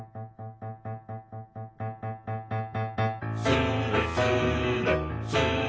「スレスレスレスレ」